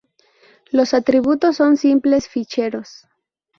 Los atributos son simples ficheros.